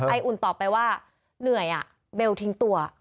อุ่นตอบไปว่าเหนื่อยเบลทิ้งตัว